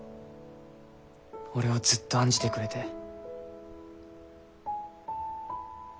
俺をずっと案じてくれて。